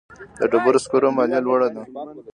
د ډبرو سکرو مالیه لوړه ده